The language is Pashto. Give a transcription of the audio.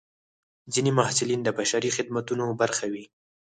ځینې محصلین د بشري خدمتونو برخه وي.